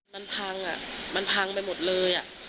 มันพังอ่ะมันพังไปหมดเลย